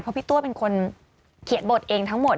เพราะพี่ตัวเป็นคนเขียนบทเองทั้งหมด